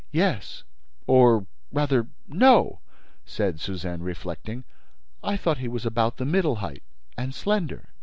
"Yes—or, rather, no," said Suzanne, reflecting. "I thought he was about the middle height and slender."